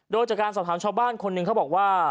โดยจากการสอบถามชาวบ้านคนหนึ่งเขาบอกว่า